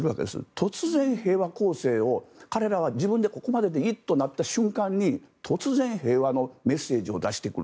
突然、平和攻勢を、彼らはここまででいいとなった瞬間に突然、平和のメッセージを出してくる。